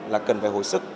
là cần phải hồi sức